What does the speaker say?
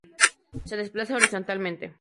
Se desplaza horizontalmente.